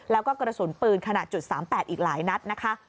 แล้วก็กระสุนปืนขนาด๓๘อีกหลายนัดนะคะ